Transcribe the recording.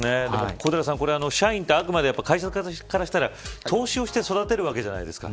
小寺さん、社員ってあくまで社員からしたら投資をして育てるわけじゃないですか。